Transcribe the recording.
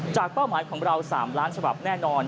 เป้าหมายของเรา๓ล้านฉบับแน่นอน